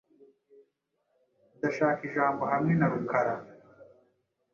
Ndashaka ijambo hamwe na Rukara .